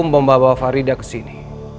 membawa farida kesini